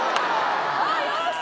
あっよし！